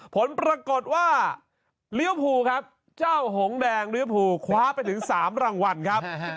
ผลปรากฏว่าลิวภูครับเจ้าหงแดงริวภูคว้าไปถึง๓รางวัลครับ